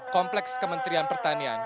kompleks kementerian pertanian